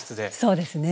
そうですね。